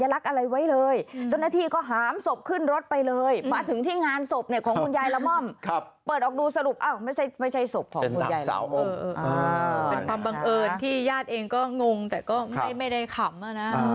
เป็นความบังเอิญที่ญาติเองก็งงแต่ก็ไม่ได้ขำนะ